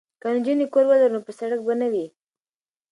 که نجونې کور ولري نو په سړک به نه وي.